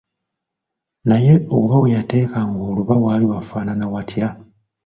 Naye oba we yateekanga oluba waali wafaanana watya?